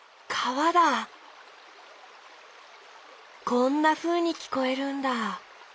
こんなふうにきこえるんだ。